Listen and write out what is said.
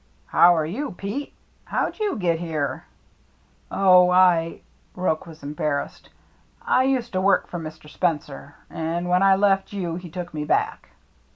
" How are you, Pete ? How'd you get here?" "Oh, I —" Roche was embarrassed. "I used to work for Mr. Spencer, and when I left you he took me back."